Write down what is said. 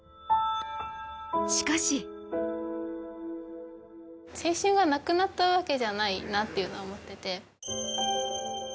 しかし青春がなくなったわけじゃないなって思っていて。